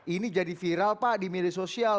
ini jadi viral pak di media sosial